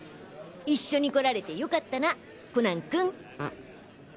一緒に来られてよかったなコナン君。